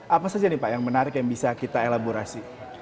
apa saja nih pak yang menarik yang bisa kita elaborasi